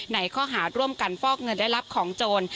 ในข้อหาร่วมกันฟอกเงินและรับของโจร